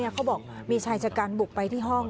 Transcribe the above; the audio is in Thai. เขาบอกมีชายชะกันบุกไปที่ห้อง